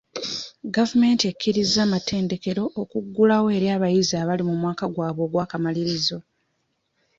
Gavumenti ekkirizza amatendekero okuggulawo eri abayizi abali mu mwaka gwabwe ogw'akamalirizo.